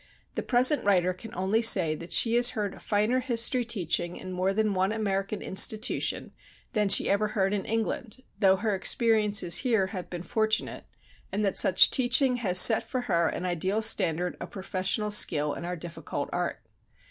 The present writer can only say that she has heard finer history teaching in more than one American institution than she ever heard in England, though her experiences here have been fortunate, and that such teaching has set for her an ideal standard of professional skill in our difficult art.